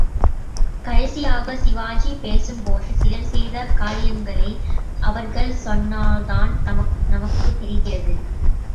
கடைசியாக சிவாஜி பேசும்போதும், சிலர் செய்த காரியங்களை அவர்கள் சொன்னால்தான் நமக்குத் தெரிகிறது.